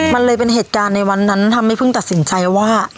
มันเลยเป็นเหตุการณ์ในวันนั้นทำให้เพิ่งตัดสินใจว่า